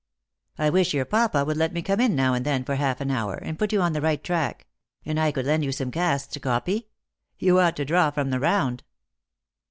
" I wish your papa would let me come in now and then for half an hour, and put you on the right "Lost for Love. 31 tack ; and I could lend you some casts to copy. You ought to draw from the round."